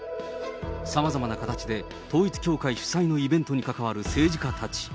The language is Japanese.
さまざまな形で統一教会主催のイベントに関わる政治家たち。